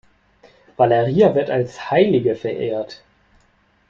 Valeria wird als Heilige verehrt.